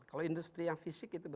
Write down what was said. kalau industri yang fisik